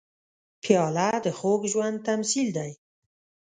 پیاله د خوږ ژوند تمثیل دی.